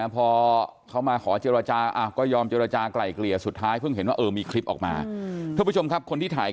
พอเขามาขอเจรจาก็ยอมเจรจากล่ายเกลี่ยสุดท้าย